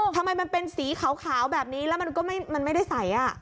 ทำไมมันเป็นสีขาวแบบนี้แล้วมันก็มันไม่ได้ใส